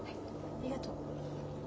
ありがとう。